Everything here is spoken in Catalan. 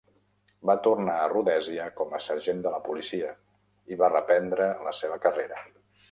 Va tornar a Rhodèsia com a sergent de la policia i va reprendre la seva carrera.